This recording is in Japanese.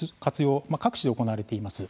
各地で行われています。